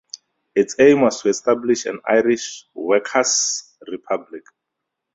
Its aim was to establish an Irish workers' republic.